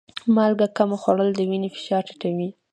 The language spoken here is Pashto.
مالګه کم خوړل د وینې فشار ټیټوي.